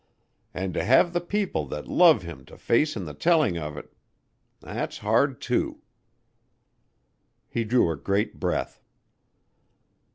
And to have the people that love him to face in the telling of it that's hard, too." He drew a great breath.